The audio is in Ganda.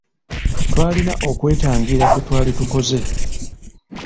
Twalina okwetangira kwe twali tukoze.